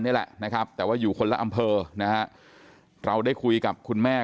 นี่แหละนะครับแต่ว่าอยู่คนละอำเภอนะฮะเราได้คุยกับคุณแม่